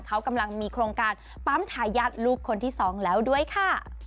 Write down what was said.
เขากำลังมีโครงการปั๊มทายาทลูกคนที่สองแล้วด้วยค่ะ